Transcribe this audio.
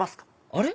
あれ？